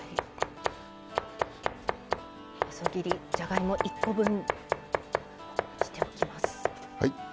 細切りじゃがいも１コ分切っておきます。